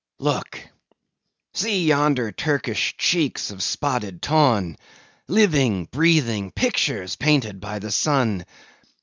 Look! see yonder Turkish cheeks of spotted tawn—living, breathing pictures painted by the sun.